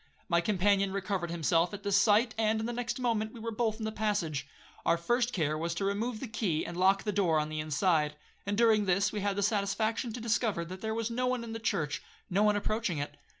My companion recovered himself at the sight, and in the next moment we were both in the passage. Our first care was to remove the key, and lock the door on the inside; and during this, we had the satisfaction to discover, that there was no one in the church, no one approaching it.